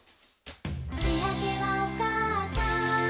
「しあげはおかあさん」